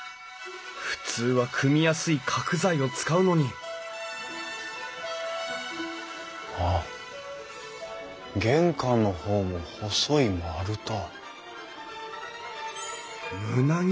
普通は組みやすい角材を使うのにあっ玄関の方も細い丸太。